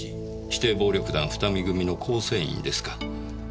指定暴力団二見組の構成員ですか。